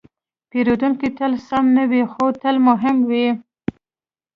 پیرودونکی تل سم نه وي، خو تل مهم وي.